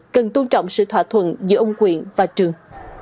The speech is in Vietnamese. cần tôn trọng sự thỏa thuận giữa ông quyện và trường